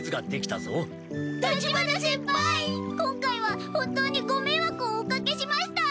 今回は本当にごめいわくをおかけしました！